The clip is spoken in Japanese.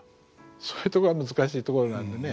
そういうとこが難しいところなんでね。